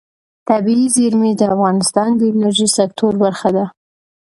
طبیعي زیرمې د افغانستان د انرژۍ سکتور برخه ده.